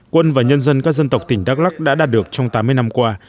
quân và nhân dân các dân tộc tỉnh đắk lắc đã đạt được trong tám mươi năm qua